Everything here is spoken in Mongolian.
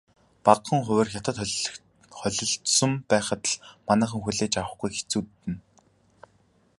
Багахан хувиар Хятад холилдсон байхад л манайхан хүлээж авахгүй хэцүүднэ.